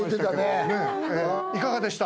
いかがでした？